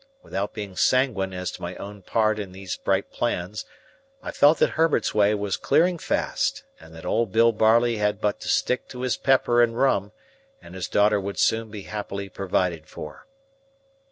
Without being sanguine as to my own part in those bright plans, I felt that Herbert's way was clearing fast, and that old Bill Barley had but to stick to his pepper and rum, and his daughter would soon be happily provided for.